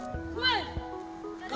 menjadi lima puluh rati